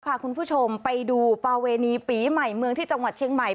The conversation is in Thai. พาคุณผู้ชมไปดูประเวณีปีใหม่เมืองที่จังหวัดเชียงใหม่